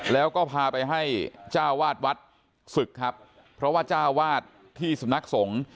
แล้วก็พาไปให้เจ้าวาดวัดศึกครับเพราะว่าเจ้าวาดที่สำนักสงฆ์